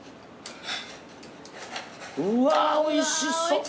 うわおいしそう。